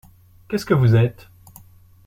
Qu’est-ce que vous êtes ?